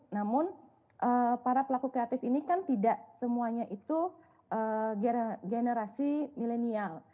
namun para pelaku kreatif ini kan tidak semuanya itu generasi milenial